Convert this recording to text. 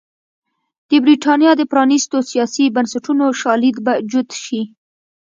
د برېټانیا د پرانېستو سیاسي بنسټونو شالید به جوت شي.